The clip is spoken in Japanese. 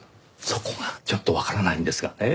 そこがちょっとわからないんですがね。